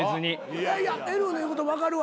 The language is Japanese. いやいやエルフの言うこと分かるわ。